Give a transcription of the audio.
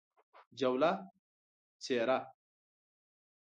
جوله : څیره